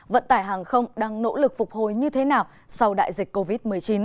vận tải hàng không đang nỗ lực phục hồi như thế nào sau đại dịch covid một mươi chín